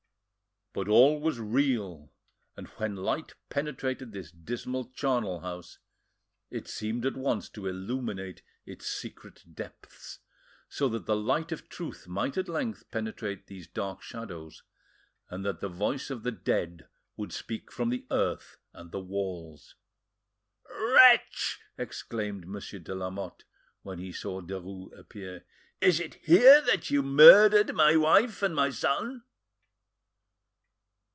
But all was real and when light penetrated this dismal charnel house it seemed at once to illuminate its secret depths, so that the light of truth might at length penetrate these dark shadows, and that the voice of the dead would speak from the earth and the walls. "Wretch!" exclaimed Monsieur de Lamotte, when he saw Derues appear, "is it here that you murdered my wife and my son?"